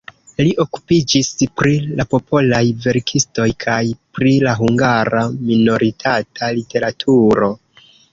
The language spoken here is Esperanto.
Li okupiĝis pri la popolaj verkistoj kaj pri la hungara minoritata literaturo.